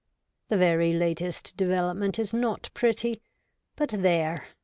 The very latest development is not pretty : but there